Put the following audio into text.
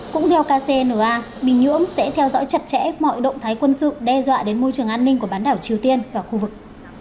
cũng theo kcna bình nhưỡng sẽ theo dõi chặt chẽ mọi động thái quân sự đe dọa đến môi trường an ninh của bán đảo triều tiên và khu vực